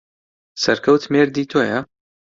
سەرکەوت مێردی تۆیە؟